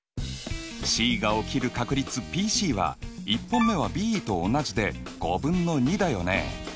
Ｃが起きる確率Ｐは１本目はＢと同じで５分の２だよね。